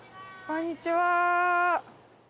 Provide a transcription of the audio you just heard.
こんにちは。